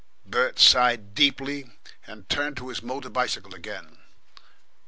Bert sighed deeply, and turned to his motor bicycle again.